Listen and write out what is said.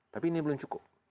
tapi ini belum cukup